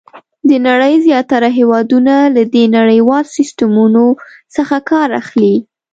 د نړۍ زیاتره هېوادونه له دې نړیوال سیسټمونو څخه کار اخلي.